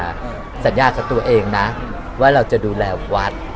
สัญญากับตัวเองนะว่าเราจะดูแลวัด